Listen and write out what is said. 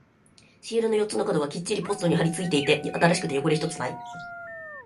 シールの四つの角はきっちりとポストに貼り付いていて、新しくて汚れ一つない。